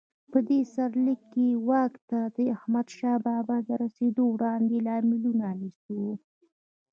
په دې سرلیک کې واک ته د احمدشاه بابا د رسېدو وړاندې لاملونه نیسو.